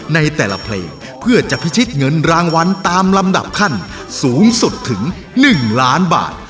ในแต่ละเพลงเพื่อจะพิชิตเงินรางวัลตามลำดับขั้นสูงสุดถึง๑ล้านบาท